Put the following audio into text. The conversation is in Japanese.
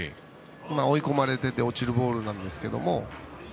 追い込まれていて落ちるボールなんですけれども。